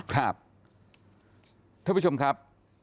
ท่านผู้ชมครับ